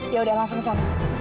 yaudah langsung kesana